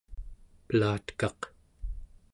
pelatekaq